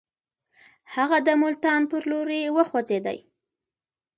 هغه د ملتان پر لور وخوځېدی.